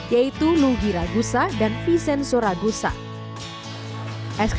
yaitu lugy ragusa dan foucault